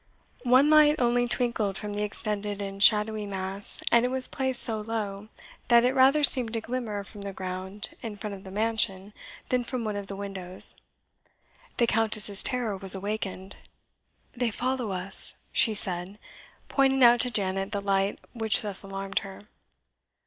One light only twinkled from the extended and shadowy mass, and it was placed so low that it rather seemed to glimmer from the ground in front of the mansion than from one of the windows. The Countess's terror was awakened. "They follow us!" she said, pointing out to Janet the light which thus alarmed her.